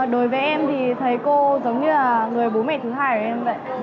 đối với em thì thầy cô giống như là người bố mẹ thứ hai của em dạy